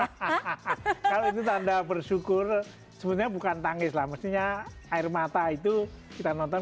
hahaha kalau itu tanda bersyukur sebenarnya bukan tangis lah mestinya air mata itu kita nonton